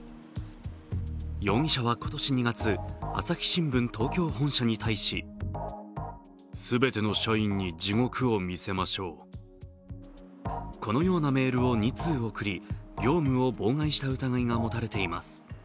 容疑者は今年２月、朝日新聞東京本社に対しこのようなメールを２通送り、業務を妨害した疑いが持たれています。